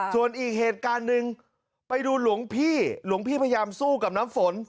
ส่วนอีกเหตุการณ์หนึ่งไปดูหลวงพี่หลวงพี่พยายามสู้กับน้ำฝน